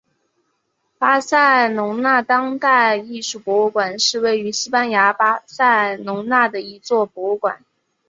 巴塞隆纳当代艺术博物馆是位于西班牙巴塞隆纳的一座博物馆。